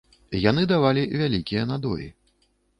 Яны давалі вялікія надоі.